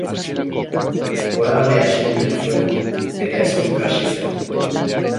Goragalea sentitu zuen, eta eztulka hasi zen.